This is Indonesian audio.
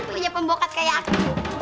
punya pembokas kayak aku